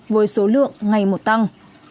với số lượng ngày một tăng